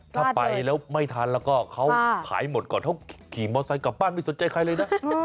ถ้าไปแล้วไม่ทันแล้วก็เขาขายหมดก่อนเขาขี่มอไซค์กลับบ้านไม่สนใจใครเลยนะ